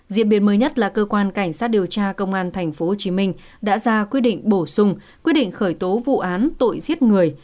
diễn biến mới nhất là cơ quan cảnh sát điều tra công an tp hcm đã ra quyết định bổ sung quyết định khởi tố vụ án tội giết người